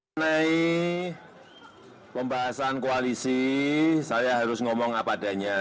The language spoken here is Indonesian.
menai pembahasan koalisi saya harus ngomong apa adanya